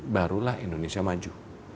barulah indonesia maju